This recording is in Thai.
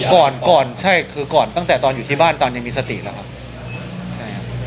ก่อนก่อนใช่คือก่อนตั้งแต่ตอนอยู่ที่บ้านตอนยังมีสติแล้วครับใช่ครับ